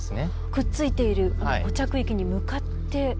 くっついている固着域に向かって。